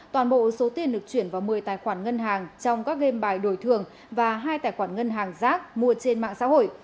toàn bộ số tiền được chuyển vào một mươi tài khoản ngân hàng trong các game bài đổi thường và hai tài khoản ngân hàng rác mua trên mạng xã hội